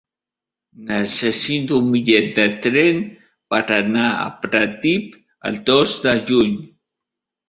Necessito un bitllet de tren per anar a Pratdip el dos de juny.